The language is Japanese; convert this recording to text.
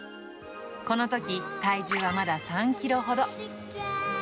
このとき、体重はまだ３キロほど。